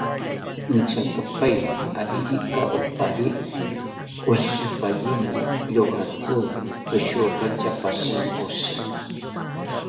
Inchatopaeni aririka oparye oshipaeni, rojatzi oshokanta pashini oshi